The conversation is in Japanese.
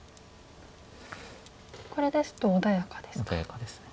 これですと穏やかですかね。